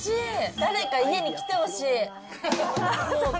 誰か家に来てほしい。